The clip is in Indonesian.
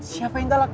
siapa yang galak